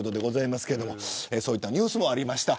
そういったニュースもありました。